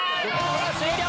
終了！